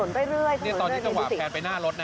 นี่ตอนนี้กระหว่างแพนไปหน้ารถนะ